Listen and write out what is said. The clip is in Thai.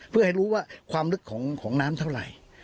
เพื่อให้รู้ว่าความลึกของน้ำเท่าไหร่